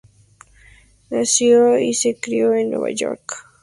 Nació y se crio en Nueva York, aunque actualmente vive en Miami, Florida.